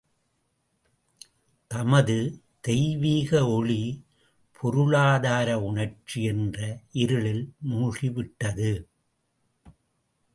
தமது தெய்வீக ஒளி பொருளாதார உணர்ச்சி என்ற இருளில் மூழ்கிவிட்டது.